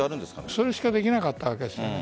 それしかできなかったんです。